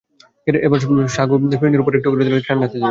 এবার সাগু ফিরনির ওপর একটু করে ঢেলে দিয়ে ঠান্ডা হতে দিন।